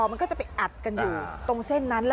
มันก็จะไปอัดกันอยู่ตรงเส้นนั้น